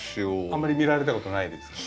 あんまり見られたことないですか？